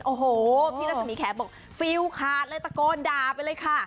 โอ้โหพี่รัศมีแขกบอกฟิลขาดเลยตะโกนด่าไปเลยค่ะ